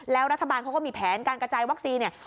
แล้วรัฐบาลเขาก็มีแผนการกระจายวัคซีนเนี่ย